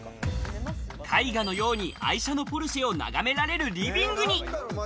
絵画のように愛車のポルシェを眺められるリビングに。